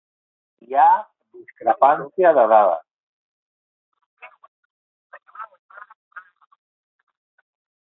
Hi ha discrepància de dades.